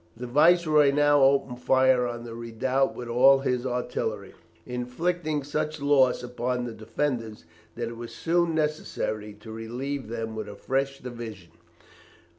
The Viceroy now opened fire on the redoubt with all his artillery, inflicting such loss upon the defenders that it was soon necessary to relieve them with a fresh division.